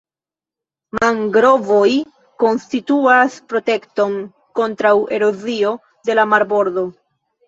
Mangrovoj konstituas protekton kontraŭ erozio de la marbordo.